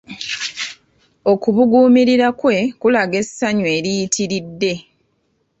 Okubuguumirira kwe kulaga essanyu eriyitiridde